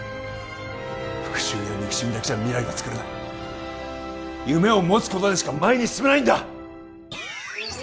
復讐や憎しみだけじゃ未来はつくれない夢を持つことでしか前に進めないんだ！